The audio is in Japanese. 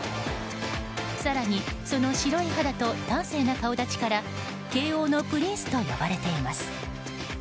更に、その白い肌と端正な顔立ちから慶応のプリンスと呼ばれています。